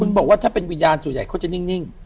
คุณบอกว่าถ้าเป็นวิญญาณส่วนใหญ่เขาจะนิ่ง